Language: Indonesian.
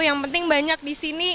yang penting banyak disini